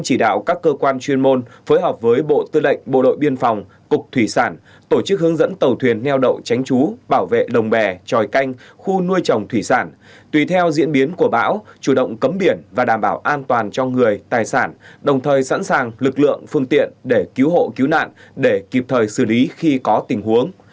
chỉ đạo các cơ quan chuyên môn phối hợp với bộ tư lệnh bộ đội biên phòng cục thủy sản tổ chức hướng dẫn tàu thuyền neo đậu tránh chú bảo vệ đồng bè tròi canh khu nuôi trồng thủy sản tùy theo diễn biến của bão chủ động cấm biển và đảm bảo an toàn cho người tài sản đồng thời sẵn sàng lực lượng phương tiện để cứu hộ cứu nạn để kịp thời xử lý khi có tình huống